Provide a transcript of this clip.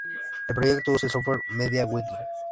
El proyecto usa el software MediaWiki.